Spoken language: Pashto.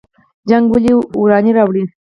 جنګ ولې ورانی راوړي؟